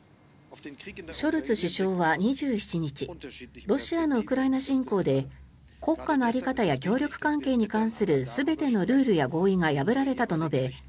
ショルツ首相は２７日ロシアのウクライナ侵攻で国家の在り方や協力関係に関する全てのルールや合意が破られたと述べ